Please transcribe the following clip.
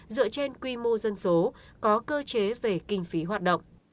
dựa trên quy mô dân số có cơ chế về kinh phí hoạt động